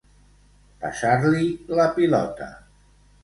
Passar-li la pilota.